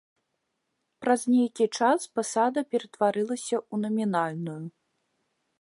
Праз нейкі час пасада ператварылася ў намінальную.